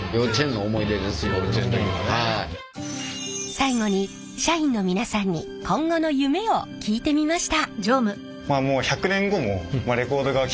最後に社員のみなさんに今後の夢を聞いてみました。